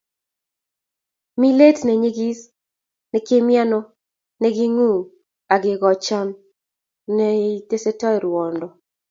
Milet nenyikis ne kimiano, nekingungu ak kechokani, neistoechi ruondo